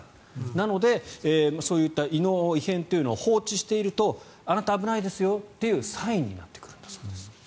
なので、そういった胃の異変を放置しているとあなた、危ないですよというサインになってくるそうです。